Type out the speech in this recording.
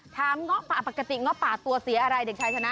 เงาะป่าปกติเงาะป่าตัวสีอะไรเด็กชายชนะ